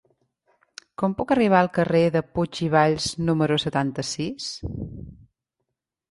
Com puc arribar al carrer de Puig i Valls número setanta-sis?